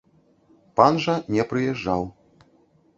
Пан жа не прыязджаў.